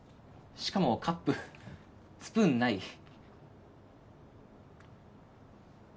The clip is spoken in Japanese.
しかもカップスプーンない。